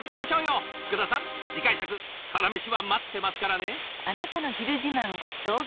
深田さん次回作「サラメシ」は待ってますからね。